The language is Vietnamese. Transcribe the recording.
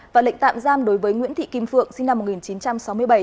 và lệnh tạm giam đối với nguyễn thị kim phượng sinh năm một nghìn chín trăm sáu mươi bảy